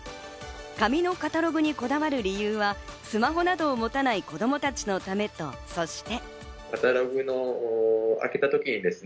紙のカタログにこだわる理由はスマホなどを持たない子供たちのためと、そして。